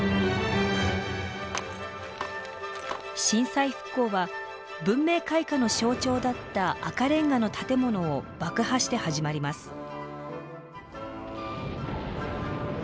震災復興は文明開化の象徴だった赤レンガの建物を爆破して始まります。